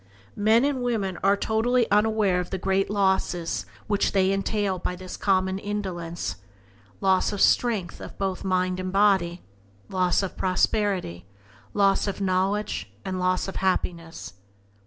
Men and women are totally unaware of the great losses which they entail by this common indulgence: loss of strength both of mind and body, loss of prosperity, loss of knowledge, and loss of happiness.